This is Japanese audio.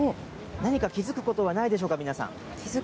何か気付くことはないでしょうか、皆さん。